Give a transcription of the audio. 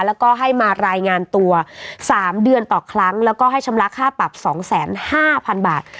แล้วก็ให้มารายงานตัวสามเดือนต่อครั้งแล้วก็ให้ชำระค่าปรับสองแสนห้าพันบาท